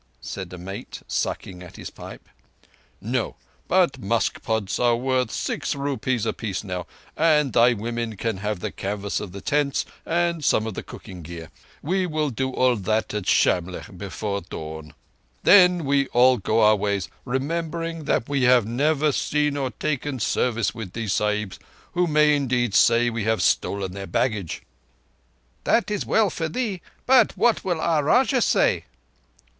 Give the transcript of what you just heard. said a mate, sucking at the pipe. "No; but musk pods are worth six rupees apiece now, and thy women can have the canvas of the tents and some of the cooking gear. We will do all that at Shamlegh before dawn. Then we all go our ways, remembering that we have never seen or taken service with these Sahibs, who may, indeed, say that we have stolen their baggage." "That is well for thee, but what will our Rajah say?"